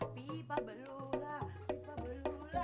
pipa belula pipa belula